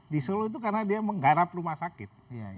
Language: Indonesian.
di solo itu karena dia menggarap rumah sakit